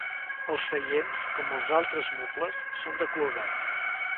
Els seients, com els altres mobles, són de color verd.